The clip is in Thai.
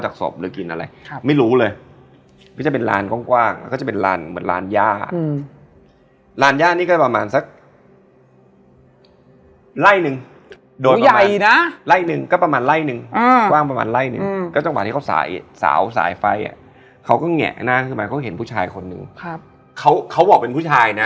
เจ๊ก็เปิดไฟทุกจังครับเปิดไฟแบบทำไมหญิงเป็นไร